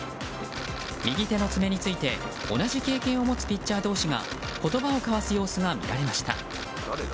右手の爪について同じ経験を持つピッチャー同士が言葉を交わす様子が見られました。